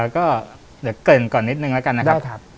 ก็เดี๋ยวเกริ่นก่อนนิดนึงแล้วกันนะครับ